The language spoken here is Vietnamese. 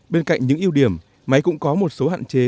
bên cạnh những ưu điểm máy cũng có một số hạn chế